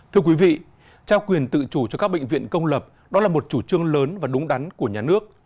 thưa quý vị trao quyền tự chủ cho các bệnh viện công lập đó là một chủ trương lớn và đúng đắn của nhà nước